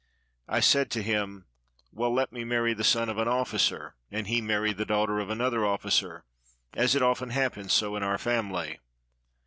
'" I said to him, "Well, let me marry the son of an officer, and he marry the daughter of another officer, as it often happens so in our family."